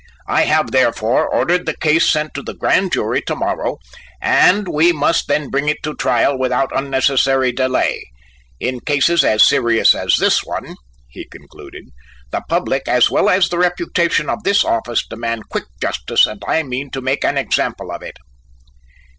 I have, therefore, ordered the case sent to the Grand Jury to morrow, and we must then bring it to trial without unnecessary delay. In cases as serious as this one," he concluded, "the public as well as the reputation of this office demand quick justice and I mean to make an example of it."